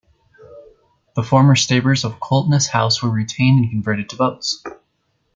The former stables of Coltness House were retained and converted to boats.